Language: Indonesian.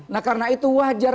nah karena itu wajar